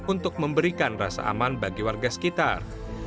untuk memberikan rasa aman bagi warga sekitar